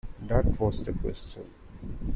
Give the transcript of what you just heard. That was the question.